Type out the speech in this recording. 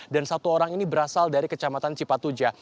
dan satu orang ini berasal dari kecamatan cipatuja